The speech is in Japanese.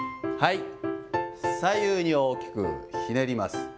左右に大きくひねります。